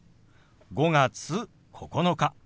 「５月９日」。